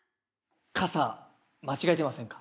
傘間違えてませんか？